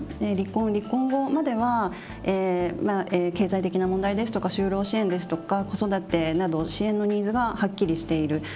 離婚離婚後までは経済的な問題ですとか就労支援ですとか子育てなど支援のニーズがはっきりしている。